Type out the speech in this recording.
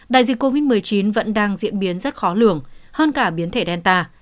đại dịch covid một mươi chín vẫn đang diễn biến rất khó lường hơn cả biến thể delta